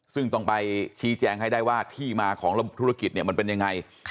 ซึ่งต้องไปชี้แจงให้ได้ว่าที่มาของระบบธุรกิจเนี่ยมันเป็นยังไง